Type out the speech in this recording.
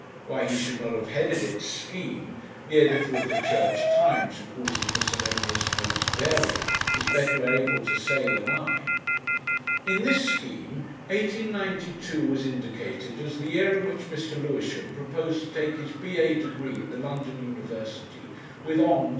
(Why he should not have headed it "Scheme," the editor of the Church Times, who calls his miscellaneous notes "Varia," is better able to say than I.) In this scheme, 1892 was indicated as the year in which Mr. Lewisham proposed to take his B.A. degree at the London University with "hons.